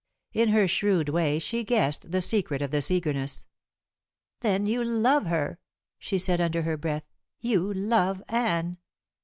In her shrewd way she guessed the secret of this eagerness. "Then you love her," she said under her breath. "You love Anne."